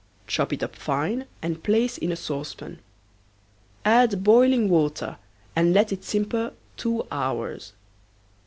Chop it up fine and place in a saucepan. Add boiling water and let it simper two hours.